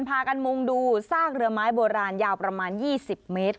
พากันมุงดูซากเรือไม้โบราณยาวประมาณ๒๐เมตร